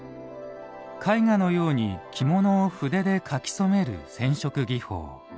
絵画のように着物を筆で描き染める染色技法。